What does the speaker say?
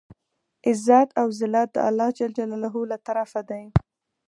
عزت او زلت د الله ج له طرفه دی.